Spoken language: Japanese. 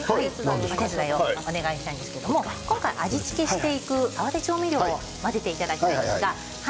お手伝いをお願いしたいんですけど味付けしていく合わせ調味料を合わせていただきます。